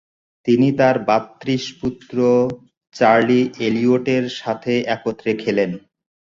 তিনি তার ভ্রাতৃষ্পুত্র চার্লি এলিয়টের সাথে একত্রে খেলেন।